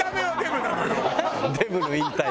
はい。